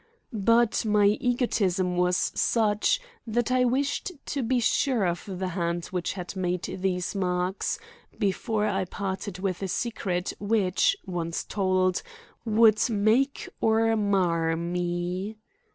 But my egotism was such that I wished to be sure of the hand which had made these marks before I parted with a secret which, once told, would make or mar me.